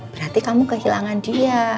berarti kamu kehilangan dia